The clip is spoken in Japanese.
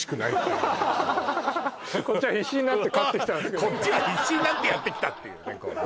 「こっちは必死になってやってきた」っていうね